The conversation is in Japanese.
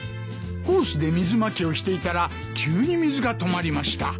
ホースで水まきをしていたら急に水が止まりました。